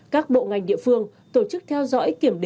các bộ ngành địa phương tổ chức theo dõi kiểm đếm